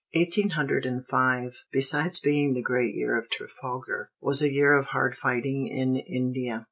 Eighteen hundred and five, besides being the great year of Trafalgar, was a year of hard fighting in India.